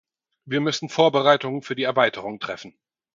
Wir müssen Vorbereitungen für die Erweiterung treffen.